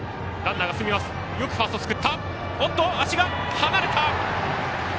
足が離れた！